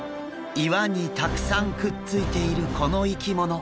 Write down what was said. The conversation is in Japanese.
岩にたくさんくっついているこの生き物。